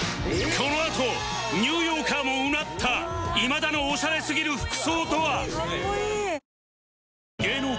このあとニューヨーカーもうなった今田のオシャレすぎる服装とは？